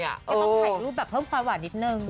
ก็ต้องถ่ายรูปแบบเพิ่มความหวานนิดนึง